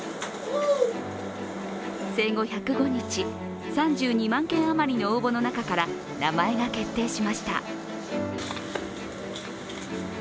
生後１０５日、３２万件余りの応募の中から名前が決定しました。